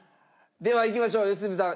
ではいきましょう良純さん。